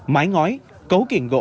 mái ngói cấu kiện gỗ đã hư hỏng